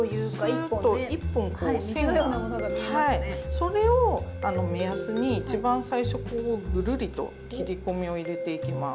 それを目安に一番最初こうグルリと切り込みを入れていきます。